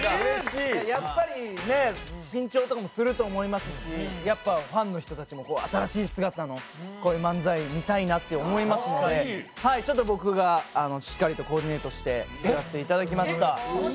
やっぱり新調とかもすると思いますしやっぱファンの人たちも新しい姿の漫才を見たいなと思いまして僕がしっかりとコーディネートして作らせていただきました。